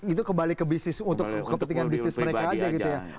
itu kembali ke bisnis untuk kepentingan bisnis mereka aja gitu ya